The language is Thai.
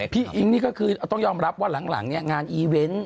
พี่อิงก็คือต้องยอมรับว่าหลังนี้งานอีเวนต์